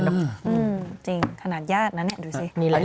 จริงขนาดญาตินะเนี่ยดูสิ